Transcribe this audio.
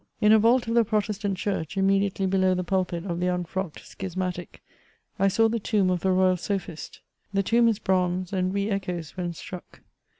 Ill a vault of the Protestant Church, immediately below the pulpit of the unfrocked schismatic, I saw the tomb of the royal sophist. The tomb is bronze, and re echoes when struck.